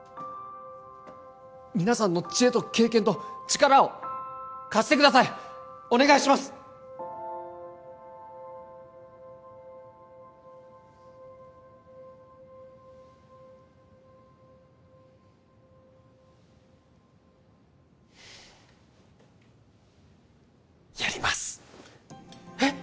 皆さんの知恵と経験と力を貸してくださいお願いしますやりますえっ？